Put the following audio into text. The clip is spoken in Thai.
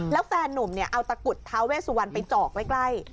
แล้วแฟนหนุ่มเนี่ยเอาตะกุฏทาเวสวันไปจอกใกล้